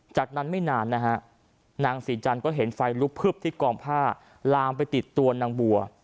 จากนั้นไม่นานนะฮะนางศรีจันทร์ก็เห็นไฟลุกพึบที่กองผ้าลามไปติดตัวนางบัว